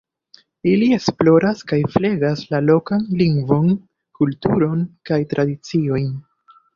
Ili esploras kaj flegas la lokan lingvon, kulturon kaj tradiciojn.